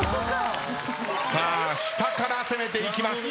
下から攻めていきます。